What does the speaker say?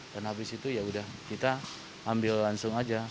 dan habis itu ya sudah kita ambil langsung aja